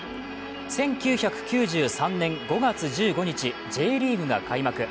１９９３年５月１５日、Ｊリーグが開幕。